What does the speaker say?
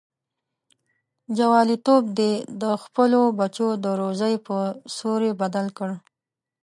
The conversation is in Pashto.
جواليتوب دې د خپلو بچو د روزۍ په سوري بدل کړ.